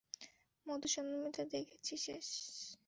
মধুচন্দ্রিমা দেখছি শেষ।